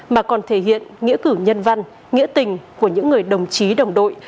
mà còn thể hiện nghĩa cử nhân văn nghĩa tình của những người đồng chí đồng đội